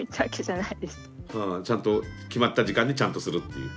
ちゃんと決まった時間にちゃんとするっていう。